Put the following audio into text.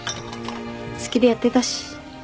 好きでやってたし。